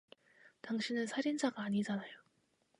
당신은 살인자가 아니잖아요.